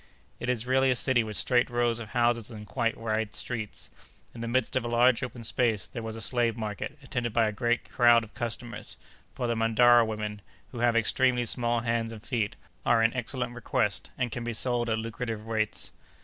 It is really a city with straight rows of houses and quite wide streets. In the midst of a large open space there was a slave market, attended by a great crowd of customers, for the Mandara women, who have extremely small hands and feet, are in excellent request, and can be sold at lucrative rates.